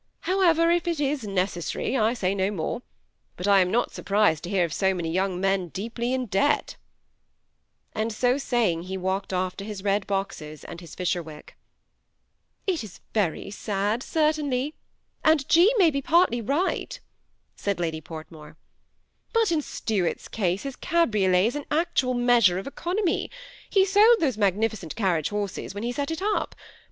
However, if it is necessary, I say no more ; but I am not surprised to hear of so many young men deeply in debt ;" and so saying he walked off to his red boxes and his Fisherwick. 8 170 THE SEMI ATTACHED COUPLE. "It is very sad, certainly, and G. may be partly right," said Lady Portmore ;" but in Stnart's case his cabriolet is an actual measure of economy ; he sold those magnificent carriage horses when he set it up.